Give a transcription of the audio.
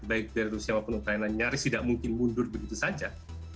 baik dari rusia maupun ukraina nyaris tidak mungkin mundur begitu saja